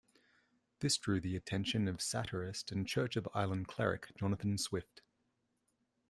This drew the attention of satirist and Church of Ireland cleric Jonathan Swift.